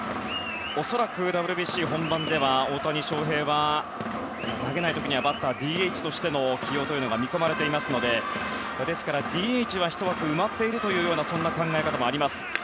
恐らく、ＷＢＣ本番では大谷翔平は投げない時はバッター、ＤＨとしての起用が見込まれていますのでですから、ＤＨは１枠は埋まっているという考え方もあります。